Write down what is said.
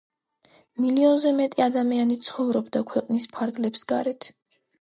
მილიონზე მეტი ადამიანი ცხოვრობდა ქვეყნის ფარგლებს გარეთ.